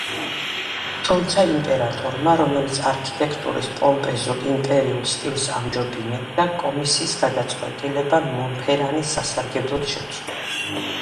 თუმცა იმპერატორმა, რომელიც არქიტექტურის პომპეზურ იმპერიულ სტილს ამჯობინებდა, კომისიის გადაწყვეტილება მონფერანის სასარგებლოდ შეცვალა.